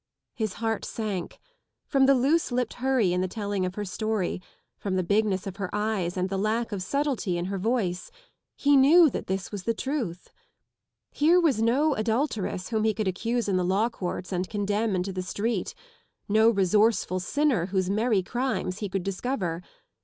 His heart sank. From the loose dipped hurry in the telling of her story, from the bigness of her eyes and the lack of subtlety in her voice, he knew that this was the $ruth. Here was no adulteress whom he could accuse in the law courts and condemn into the street, no resourceful sinner whose merry crimes he could discover.